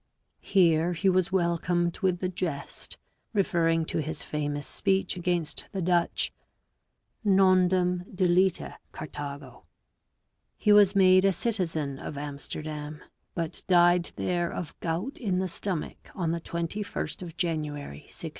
Here he was welcomed with the jest, referring to his famous speech against the Dutch, " nondum deleta Carthago." He was made a citizen of Amsterdam, but died there of gout in the stomach on the 21st of January 1683.